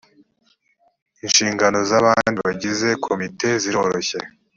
inshingano z’ abandi bagize komite ziroroshye .